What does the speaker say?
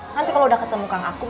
nanti kalau udah ketemu kang akun